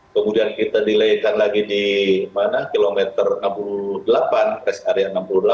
kemudian kita delaykan lagi di kilometer enam puluh delapan rest area enam puluh delapan